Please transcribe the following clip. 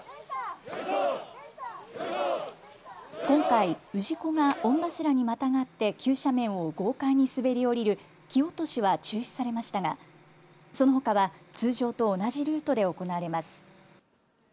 今回、氏子が御柱にまたがって急斜面を豪快に滑り降りる木落しは中止されましたがそのほかは通常と同じルートで行われます。